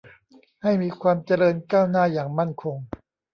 ให้มีความเจริญก้าวหน้าอย่างมั่นคง